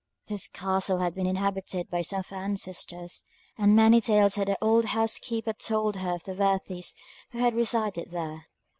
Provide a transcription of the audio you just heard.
This castle had been inhabited by some of her ancestors; and many tales had the old house keeper told her of the worthies who had resided there.